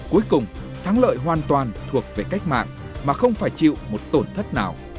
cuối cùng thắng lợi hoàn toàn thuộc về cách mạng mà không phải chịu một tổn thất nào